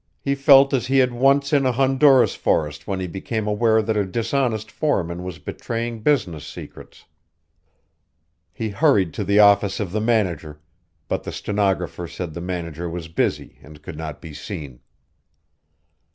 He felt as he had once in a Honduras forest when he became aware that a dishonest foreman was betraying business secrets. He hurried to the office of the manager, but the stenographer said the manager was busy and could not be seen.